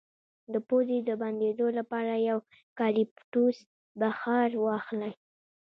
د پوزې د بندیدو لپاره د یوکالیپټوس بخار واخلئ